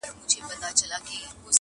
که پکې یو دګل ګوزار وي دا به کړی وي